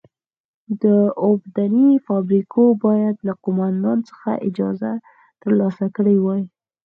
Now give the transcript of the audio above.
د اوبدنې فابریکو باید له قومندان څخه اجازه ترلاسه کړې وای.